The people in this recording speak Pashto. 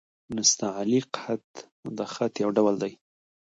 نستعلیق خط؛ د خط يو ډول دﺉ.